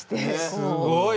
すごい。